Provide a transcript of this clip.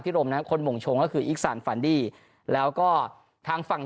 พิรมนะครับคนโหมงโชงก็คืออีกสารฟันดี้แล้วก็ทางฝั่ง